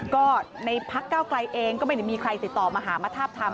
ก็ในพักเก้าไกลเองก็ไม่ได้มีใครติดต่อมาหามาทาบทาม